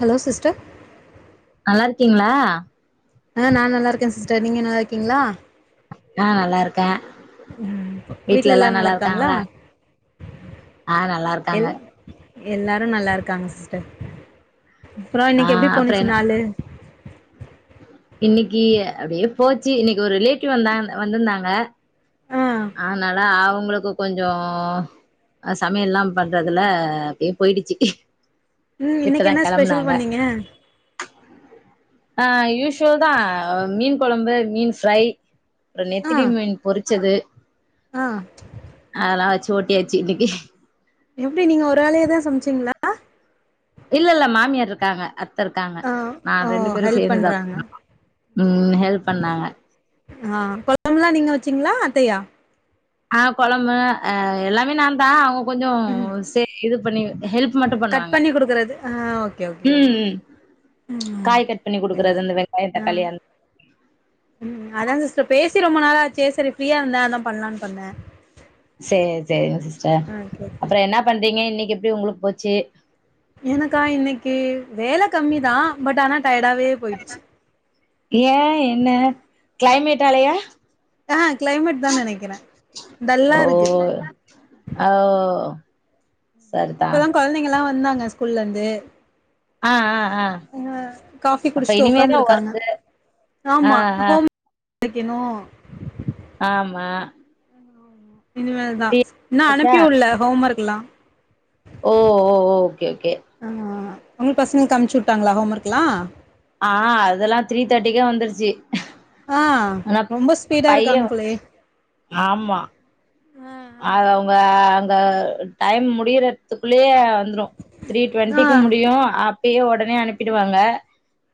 Hello sister நல்லா இருக்கீங்களா ஆஹ நா நல்லா இருக்க சிஸ்டர் நீங்க நல்லா இருக்கீங்களா ஆஹ நல்லா இருக்க வீட்ல எல்லா நல்லா இருக்காங்களா ஆஹ நல்லா இருக்காங்க எல் எல்லாரு நல்லா இருக்காங்க சிஸ்டர் அப்ரோ ஆ இன்னிக்கு எப்டி போணுச்சி நாலு இன்னிக்கி அப்டியே போச்சு இன்னிக்கு ஒரு ரிலேட்டிவ் வந்தா வந்திருந்தாங்க ஆ அது நாலா ஆவும் உங்களுக்கு கொஞ்சோ அ சமையல்லாம் பண்றதுல அப்டியே போயிடுச்சி உம் இன்னிக்கு என்ன ஸ்பெஷல் பண்ணீங்க ஆஹ யூஷ்வல் தா மீன் கொழம்பு மீன் ஃப்ரை அப்புற நெத்திலி மீன் பொரிச்சது ஆஹ ஓட்டியாச்சி இன்னிக்கி எப்டி நீங்க ஒராளேதா சமச்சீங்ளா இல்ல இல்ல மாமியார் இருக்காங்க அத் த இருக்காங்க ஆ நா ஓ ரெண்டு பேரு ஹெல்ப் சேந்துதா பண்றாங்க பண்ணோ உம் ஹெல்ப் பண்ணாங்க சீங்ளா அத்தையா ஆஹ கொழம்பு அ எல்லாமே நா தா அவ கொஞ்சோ பண்ணி ஹெல்ப் மட்டும் கட் பண்ணுவாங்க. பண்ணி குடுக்குறது ஓகே ஓகே ம் ம். காய் கட் பண்ணி குடுக்குறது இந்த வெங்காயோ தக்காளி அந் அத பேசி ரொம்ப நாள் ஆச்சே செரி ஃப்ரியா இருந்த அதா பண்ணலான்னு பண்ன சேரி சேரிங்க சிஸ்டர் கேக்கு அப்புறம் என்ன பண்றீங்க இன்னிக்க எப்டி உங்களுக்கு போச்சு எனக்கா இன்னிக்கு வேலை கம்மிதா ஏ என்ன கிளைமேட் ஆலையா ஆஹ் கிளைமேட் தா நெனைக்கிற டல்லா ஓ இருக்கு ஓ சரிதா இப்பதா கெழந்தைங்கல்லாம் வ வந்தாங்க ஸ்கூல்லருந்து ஆஹ் ஆஹ் ஆஹ் காஃபி அப்ப குடிச்சுட்டு இனிமேதா உக்காந்துருக்காங்க ஒர்க்கு ஆஹ் ஆஹ் க்கினு ஆமா இனிமேல்தா டீ இன்னோ குடிச்சாச்சா? அனுப்பி உள்ளல ஹோம் ஒர்க் லாம் ஓ ஓ ஓகே ஓகே உங்க பசங்கக்கு அமிச்சுட்டாங்களா ஹோம் ஒர்குலா ஆஹ் அதெல்லா த்ரீ தேர்ட்டிக்கே வந்துருச்சு ஆஹ் ஆனா ரொம்ப ஸ்பீடா பைய இருக்காங்க போலயே ஆமா அது அவங்க அங்க டைம் முடியறதுக்குள்ளயே வந்துரு த்ரீ ஆ டுவெண்டிக்கு முடியு அப் அப்பயு ஒடனே அனுப்பிடுவாங்க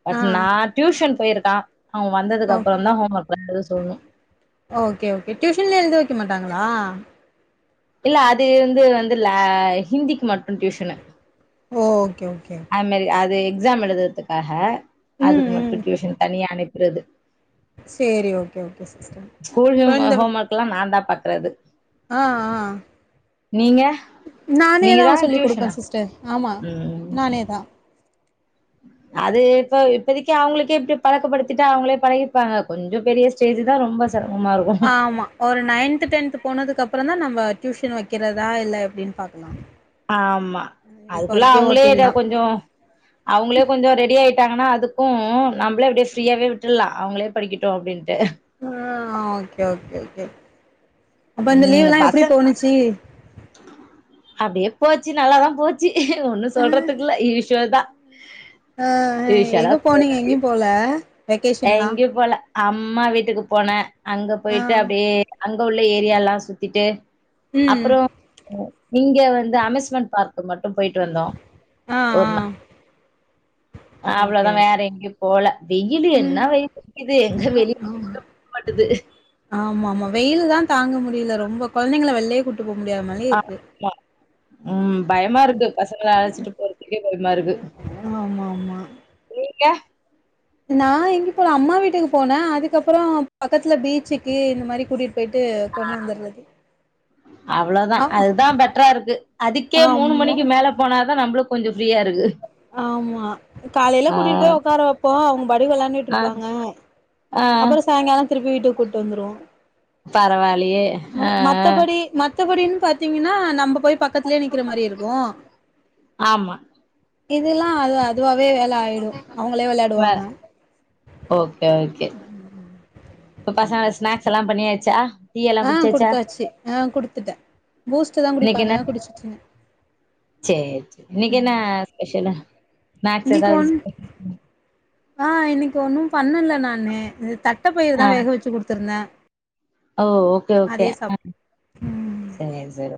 பட் நா டியூஷன் பொயிருக் தா ஓ சொல்ணு ஓகே ஓகே டியூஷலே எழுத வைக்க மாட்டாங்களா இல்ல அது வந்து வந்து ல ஹிந்திக்கு மட் டியூஷனு ஓ ஓகே ஓகே ஓகே அந்மாரி அது எக்ஸாம் எழுதருதுக்காக ம் அதுக்கு ம் மட்டு டியூஷன் தனியா அனுப் இந்த இது சேரி ஓகே ஓகே சிஸ்டர் இப்போ இந்த பற்றது ஆ ஆ நானேதா நீங்கதா சொல்லி குடுப்பே டியூஷனா சிஸ்டர் ஆமா ம் நானே தா அது இப்போ இப்பொதிக்கு அவுங்குளுக்கே இப்டி பழக்கபடுத்திடா அவுங்களே பழகிப்பாங்க கொஞ்ஜோ பெரிய ஸ்டேஜ் தா ரொம்ப சிரமமா இருக்கு ஆமா ஒரு நைன்து டென்து போனது கப் அப்றோ தா நம்ப டியூஷன் வக்கிறதா இல்ல எப்டினு பாக்கலா ஆமா இப்ப அதுக்குள்ள வரைக்கு அவுங்களே எதோ ஓட்டிலா கொஞ்ஜோ அவுங்களே கொஞ்ஜோ ரெடி ஆயிட்டாங்கனா அதுக் க்கூ நம்ளே அப்டியே ஃப்ரீயாவே விட்டுர்லா அவுங்ளே படிகிட்டு அப்டீன்ட்டு ஆஹ் ஓகே ஓகே ஓகே அப்பெ இந்தெ ம் லீவ்லா எப்டி பசங் போணுச்சீ அப்டியே போச்சி நல்லாதா போச்சி ஒன்னு சொல்றதுகில்ல ஈஸியாதா அ அ எங்க போனீங்க எங்கெயு போல வெக்கேஷன்லா எங்கியு போல அம்மா வீட்டுக்கு போனே அங்க ஆ போய்ட்டு அப்டியே அன்ட் அங்க உள்ள ஏரியால்லா சுத்திட்டு ம் அப்பறோ நீங்க வந்து அமேஸ்மண்ட் பார்க் மட் டும் போயிட்டு வந்தோ ஆ ஒர் நா அ ஆ ஓகே அவ்ளோதா வேற ஓகே எங்கியு போல வெயிலு எ என்ன வெயிலு அடிக்குது எங்க வெளி ஆ [unintelligible] மாட்டுது ஆமா ஆமா வெயில்தா தாங்க முடியல ரொம்ப கொழந்தங்கள வெள்ளயே கூட் ஆ மா உம் பயமாருக்கு பசங்கள அழச்சுட்டு போறதுக்கு [unintelligible] மருகு ஆமா ஆமா நீங்க நா எங்கியு போல அம்மா வீட்டுக்கு போனே அதுக்கப்பறோ பகத்துல பீச்சுக்கு இந்த மாரி கூடிட் ஆ அவ்ளோதா ஆ அதுதா பெட்டரா இருக்கு அதுக்கே மூணு ஆமா மணிக்கி மேல போனாதா நம்மளுக் கொஞ்சோ ஃப்ரீயாருக்கு ஆமா காலையில கூட்டிட்டு போய் உக்கார வப்போ அவுங் பாட்டுக் ஆ வெளாண்டுட்ருப்பாங்க ஆ அப்றோ சாய்ங்காலோ திருப்பி வீட்டுக் கூட்டுட் வந்துருவோ பரவாலையே ஆ ஆ மத்தப் படின்னு பாத்தீங்கன்னா நம்போ போய் பக்கத்துலையே நிக்கிற மாரி இருக்கு ஆமா இதுல்லா அது அதுவா வேல ஆயிரும் அவுங்களே வேற வெளையாடுவாங்க ஓகே ஓகே இப்ப பசங்க ஸ்நாக்ஸ் எல்லா பண்ணியாச்சா டீ எல்லா ஆ குடிச்சாச்சா குடுத்தாச்சு ஆ குடுத்துட்டே பூஸ்ட் தா இன்னைக்கு என்ன குடிப்பாங்க் குடிச்சுட்டுங்க சேரி சேரி இன்னைக்கி என்ன ஸ்பெஷலு மேக்ஸ் இன்னைக்கு எதாவது ஒன் [unintelligible] ஆ இன்னைக்கு ஒன்னும் பண்ணல நானு இது தட் தட்ட பயிறு தா வேக வச்சு குடுத்துருந்தே அ ஓ ஓகே ஓகே அதே சாப் சேரி சேரி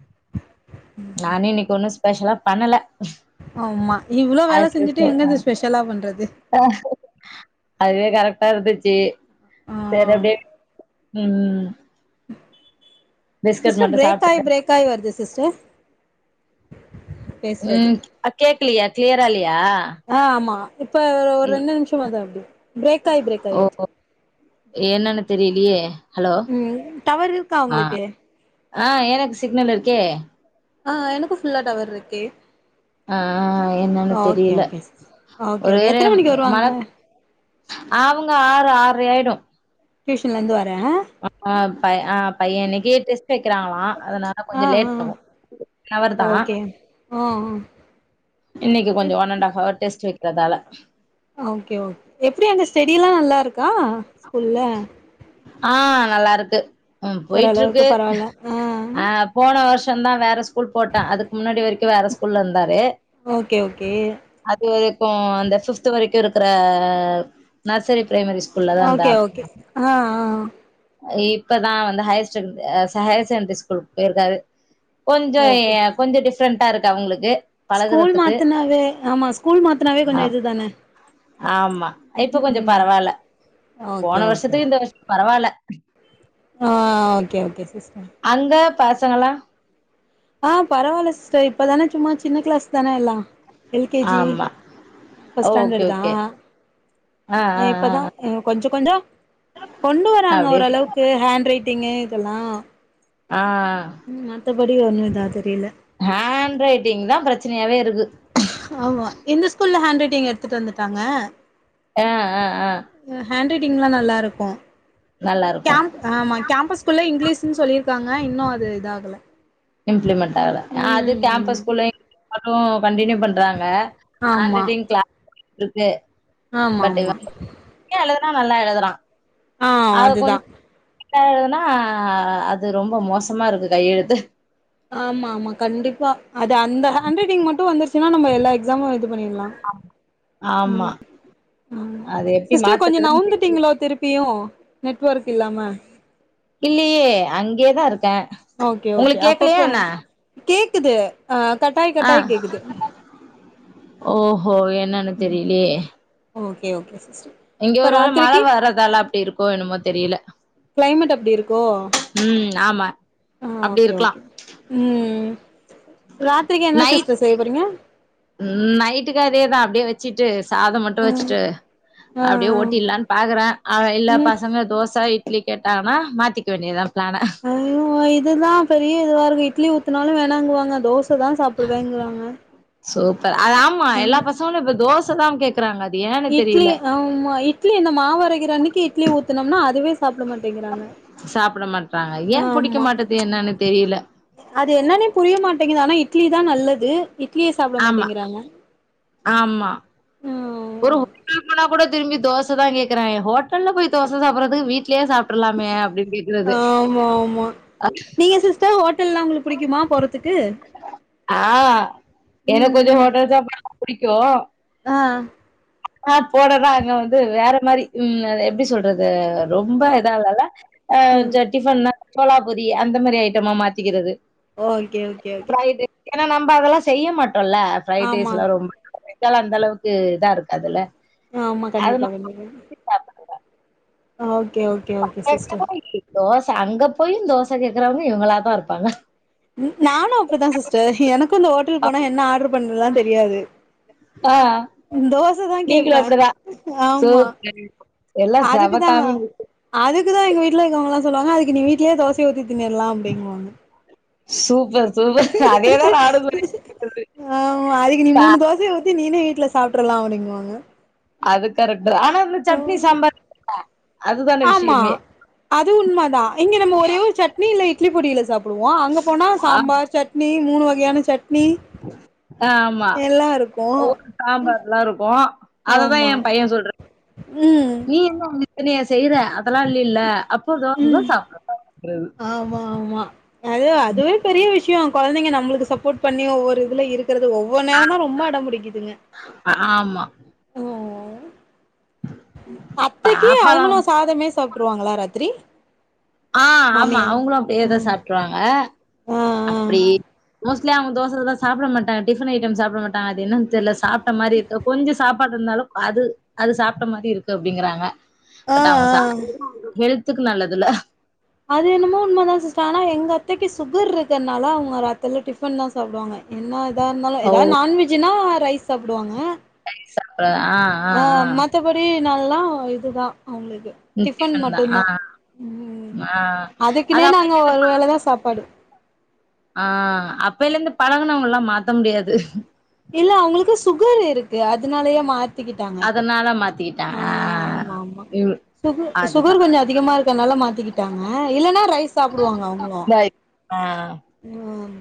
நானே இன்னைக்கு ஒன்னு ஸ்பெஷலா பண்ணல ஆமா இவ்வளவு வேல ஆஸ் செஞ்சுட்டு யூசுவல் எங்கந்து ஆ ஸ்பெஷலா பண்றது அதுவே கரெக்டா இருந்துச்சு ஆ சரி அப்டெ உம் சிஸ்டர் பிரேக் ஆயி சாப்ட்டுட்டு பிரேக் ஆயி வருது சிஸ்டர் பேசுறது உம் கேக்கலையா கிளியரா இல்லியா ஆ ஆமா இப்ப ஒரு ரெண்டு நிமிஷமாதா அப்டி பிரேக் ஆயி பிரேக் ஆயி ஓ வருது என்னன்னு தெரில யே உம் டவரு இருக்கா உங்களுக்கு ஆஹ் எனக்கு சிக்னல் இருக்கே ஆஹ் எனக்கும் ஃபுல்லா டவர் இருக்கே ஆஹ் என்னன்னு ஓகே தெரியல ஓகே சிஸ் ஓகே ஒரு ஓகே வேற எத்தன மணிக்கு மழ வருவாங்க அவங்க ஆறு ஆர்றை ஆயிடும் டியூஷன்லந்து வ ஆ ப ஆ பையன் இன்னைக்கு டெஸ்ட் வைக்கிறாங்களா அதனால ஆ கொஞ்சம் ஆ லேட் ஆவு ஒன் ஹவர் தா ஆஹ் ஆஹ் இன்னைக்கு கொஞ்சம் one and half hour test வை கிறதால ஓகே ஓகே எப்படி அங்க ஸ்டடி எல்லா நல்லா இருக்கா ஸ்கூல்ல ஆஹ் நல்லா இருக்கு உம் போயிட்டு ஓரளவுக்கு இருக்கு பரவால்ல ஆ ஆஹ் போன வருஷ் சந்தா வேர ஸ் கூல் போட்டா அதுக்கு முன்னாடி வரைக்கு வேற ஸ்கூல்ல இருந்தாரு ஓகே ஓகே அது வரைக்கு அந்த ஃபிஃப்த் வரைக்கு இருக் க்ற நர்சரி பிரைமரி ஸ்கூல்ல தான் ஓகே ஓகே ஆஹ் ஆஹ் ஆஹ் இப்பதா வந்து ஹையர் ச அ ஹையர் செகண்டரி ஸ்கூல்க்கு போயிருக்காரு கொஞ்சோ ஓகே அ கொஞ்சோ டிஸ் ஃப்ரண்டா இருக்கு அவங்களுக்கு ஸ்கூல் பழகுறதுக்கு. மாத்துனவே ஆமா ஸ்கூல் மாத்துனவே ஆ கொஞ்சோ இது தான ஆமா. இப்ப கொஞ்சம் உம் பரவால்ல. ஆஹ் ஓகே போன ஓகே வருஷத்துக்கு இந்த வருஷம் பரவால்ல ஆஹ் ஓகே ஓகே சிஸ் அந்த பசங்களா ஆஹ் பரவால சிஸ்டர் இப்பதான சும்மா சின்ன கிளாஸ் தான எல்லா ஆஹ் எல் கே ஜி ஆமா ஃபர்ஸ்ட் ஓகே ஸ்டேண்டர்ட் தா ஓகே ஆ ஆ ஆ இப்ப தா ஆ. உம் கொஞ்சோ கொஞ்சோ கொண்டு வராங்க அப்டியே போ ஓரளவுக்கு ஹாண்ட் ரைட் ட்டீங்க இதெல்லா ஆஹ் படி ஒணும் இதா தெரியில ஹாண் ரைட்டிங் தா ப்ரச்சனையாவே இருக்கு ஆமா இந்த ஸ்கூல்ல ஹாண்ட்ரைட் டிங் எடுத்துட்டு வந்துட்டாங்க ஆஹ் ஆஹ் ஆஹ் டிங்லா நல்லா இருக்கு இருக்கு கேம் ஆமா கேம்பஸ்குள்ள இங்கிலீஷ்ன்னு சொல்லிருக்காங் ஆஹ் இன்னோ அது இதாகளா இம்ப்ளிமெண்டட் ஆகல அது கேம்பஸ் குள்ள அதும் கண்டியூ பண்றாங்க ஹாண்ட் ரைட்டிங் கிளா இருக்கே ஆம்மா ம்மா [unintelligible] நல்லா எழதுறா அத கொஞ் அதுதா ல்லா எழுதுனா அது ரொம்போ மோசமா இருக்கு கையெழுத்து ஆமா ம்மா கண்டிப்பா அது அந்த ஹாண்ட் ரைட்டிங் மட்டு வந்துரிச்சின்னா நம்ம எல்லா எக்ஸாமு இது பண்ணிற்லா ஆமா உம் ஆஹ் அது எப்டி சிஸ்டர் கொஞ்சோ மாத்துறதுன்னு தெரியல நவுந்திட்டீங்களோ திருப்பியு நெட்வொர்க் இல்லாம இல்லியே அங்கேதா இருக் கன் உங்ளுக் கேக்லியா என்ன குது ஆஹ் கட்டாய் கட்டாய் கேக்குது ஓ ஓ என்னன்னு தெரியிலியே ஓகே ஓகே சி இங்க ஒருவேள மழ வர்றதால அப்டி இருக்கு கோ என்னமோ தெரியில கிளைமேட் அப்டி இருக்கோ ஆமா ஆஹ் அப்படி ஓகே இருக்கலாம் ஓகே உம் ராத்ரிக்கி என்ன சிஸ்டர் செய்ய போறீங்க உம் நைட்டுக்கு அதே தா அப்டியே வச்சிட்டு சாதம் மட்டு ஆ வச்ட்டு ஆ அப்டியே ஓட்டிலான்னு பாகுறேன் அவ இல்ல ம் பசங்க தோச இ ட்லி கேட்டாங்ன்னா மாத்திக்க வேண்டியதா ஆஹ் ஓ இதுதா பெரிய இதுவா இருக்கு இட்லி ஊத்துனாலும் வே ணாங்குவாங்க தோச தா சாப்டுவேங்குறாங்க சோ ச அது ஆமா எல்லா பசங்களு இப்ப தோஸ் ச தாங் கே இட்லி ஆமா இ ட்லி இந்த மா வரைகிற அன்னக்கி இட்லி ஊத்துனோம்னா அதுவே சாப்ட மாட்டேங்கிறாங்க றாங்க ஏன் புடிக்க ஆமா மாட்டது என்னான்னு தெரியிலெ அது என்னன்னே புரிய மாட்டேங்குது ஆனா இட்லி தா நல்லது இட்லியே சாப்ட ஆமா மாட்டேங்கிறாங்க ஆமா ஒரு ம் ஹோட்டல் போன கூட திரும்பி தோச தா கேக்குறங்கெ ஹோட்டல்ல போய் தோச சாப்புறத்துக்கு வீட்லெயே சாப் ஆமா ம்மா நீங்க சிஸ்டர் ஹோட்டல்லா உங்களுக் புடிக்குமா போறத் ஆ எனக்கு ம் கொஞ்ஜோ ம் ஹோட்டல் சாப்பாடு தா பிடிக்கும் ஆ ஆ போடத அங்க வந்து வேற மாரி எப்டி சொல்றது ரொம்ப இதால்லல டிஃவன் சோலாபூரி அந்த மாரி ஐட்டமா மாத்திக்கிறது ஓகே ஓகே ஓகே ஏனா நம்ம அதெல்லாம் செய்ய மாட்டோம் இல்ல ஃப்ரைட் ரைஸ் ஆமா எல்லாம் ரொம்ப நல்ல அந்த அளவுக்கு இதா இருக்கு அதுல ஆமா கண்டிப்பா கண்டிப்பா ஆ okay okay okay sister dosa அங்க போயும் தோச கேக்குறாங்க இவுங்களா தா இருப்பாங்க இப்ப அந்த ஹோட்டல் போனா என்ன ஆர்டர் பண்ணலானு தெரியாது ஆ தோசைதா கேப்ப, நீங்களு அப்டிதா ஆமா சூப்பர். எல்லா செம அதுக்குதா காமெடி. அதுக்குதா எங்க வீட்ல எங்க அம்மாலா சொல்லுவாங்க அதுக்கு நீீ வீட்லயே தோசைய ஊத்தி திண்ணட்லா அப்டிங்குவாங்க சூப்பர் சூப்பர். அதேதான் நானும் சொல்லிட்ருக்கறது. ஆமா அதுக்கு நீ அ மூணு தோசைய ஊத்தி நீனே வீட்ல சாப்ட்றல்லா அப்டிங்குவாங்க அது கரெக் டுதா ஆனா அந்த சட்னி சாம்பார் அது தான விஷயமே இங்கெ நம்ம ஒரே ஒரு சட்னி இல்ல இட்லி பொடியில சாப்புடுவோ அங்க போனா ஆ சாம்பார் சட்னி மூணு வகையான சட்னி ஆமா. எல்லா இருக்கு அததா ஆமா எம் பைய சொல்ற ம் நீ என்ன [unintelligible] னியா செய்ற அதெல்லா இல்லீல அப்போ தோசதா சாப்டனு ஆமா ஆமா அது அதுவே பெரிய விஷயோ கொழந்தைங்க நம்முளுக்கு சப்போட் பண்ணி ஒவ்வொரு இதுல இரு க்குறது ஒவ்வொர் நேரந்தா ரொம்ப அடம் புடிக்கிதுங்க ஆமா. ம் [unintelligible] அத்தக்கி பாப்பாலாம் அவுங்களு சாதமே சாப்ட்ருவாங்களா ராத்ரி ஆ ஆமா அவுங்குளு அப்டியே தா ம் சாப்ட்ருவாங்க ஆ அப்டி மோஸ்ட்லி அவங்க தோ சலா சாப்பட மாட்டாங்க டிஃபன் ஐட்டம் சாப்பட மாட்டாங்க அது என்னன் தெர்ல சாப் ட்ட மாரி இருக் கொஞ்ச சாப் பாடு இருந்தாலு அது அது சாப்ட்ட மாரி இருக்கு அப்டிங்கறாங்க ஆ ஆ பட் அவங்க ஆ சாப் [inaudible] ஹெல்த் ஹெல்த்துக்கு நல்லதில்ல அதென்னமோ உண்மதா சிஸ்டர் ஆனா எங்க அத்தைக்கு சுகர் இருக் கனால அவங்க ராத்திரில டிஃபன்தா சாப்டுவாங்க என்னா எதா இருந்தாலு ஓ எதா நான்வெஜ்ஜுன்னா ரைஸ் சாப்புடுவாங்க சா ஆ ஆ ஆ நல்லா இதுதா அவங்களுக்கு ம் டிஃபன் தா ஆ மட்டுந்தா ம் ஆ அது அதுக்குனே அப்பைல நாங்க இருந்து ஒரு பழ வேலதா சாப்பாடு ஆ அப்பிலந்து பழகுனவங்கெல்லா மாத்த முடியாது இல்ல அவுங்களுக்கு சுகர் இருக்கு அதனாலயா மாத்திகிட்டாங்க இப்போ அதனால ஆ மாத்திக்கிட்டாங்க ஆமாமா இவ் சுகர் அதுதா சுகர் கொஞ்சோ அதிகமா இருக்கனால மாத்திகிட்டாங்க இல்லனா ரைஸ் சாப்டுவாங்க அவுங்களு இந்த ம்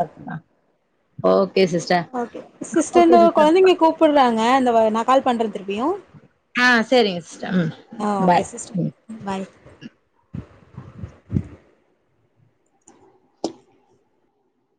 அதுக்குதா ஓ ஓகே சிஸ்டர் இந்த கொழந்தைங்க கூப்டுறாங்க எ இந்த வ எனா கால் பண்ற திருப்பியு ஆ சரிங்க சிஸ்டர் ம் ஆ ஓகே பாய் சிஸ்டர் ம் பாய்